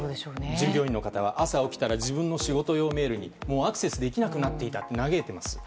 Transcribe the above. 従業員の方は朝起きたら自分の仕事用メールにアクセスできなくなっていたと嘆いています。